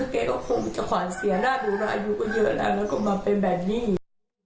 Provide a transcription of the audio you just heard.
เขาก็คงจะขวานเสียหน้าดูนะ